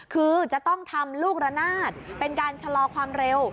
คือจะต้องทำลูกระนาดเป็นการชะลอความเร็ว